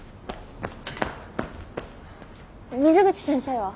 水口先生は？